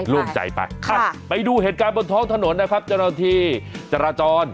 โล่งใจไปไปดูเหตุการณ์บนท้องถนนนะครับเจ้าหน้าที่จราจร